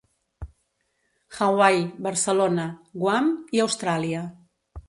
Hawaii, Barcelona, Guam i Austràlia.